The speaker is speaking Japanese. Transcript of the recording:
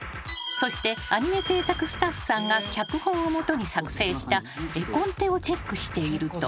［そしてアニメ制作スタッフさんが脚本を基に作成した絵コンテをチェックしていると］